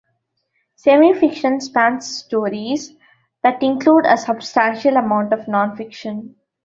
Semi-fiction spans stories that include a substantial amount of non-fiction.